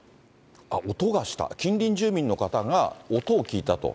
音がした、近隣住民の方が音を聞いたと。